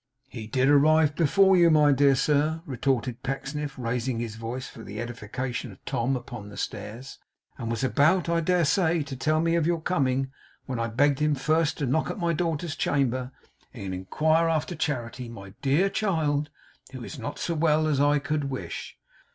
'He did arrive before you, my dear sir,' retorted Pecksniff, raising his voice for the edification of Tom upon the stairs, 'and was about, I dare say, to tell me of your coming, when I begged him first to knock at my daughters' chamber, and inquire after Charity, my dear child, who is not so well as I could wish.